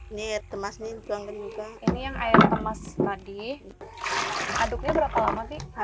ini temas mincung ini yang air kemas tadi aduknya berapa lama di